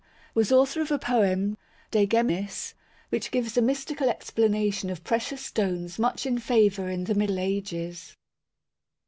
Was author of a poem De Gemmis, which gives a mystical explanation of precious stones much in favour in the Middle Ages.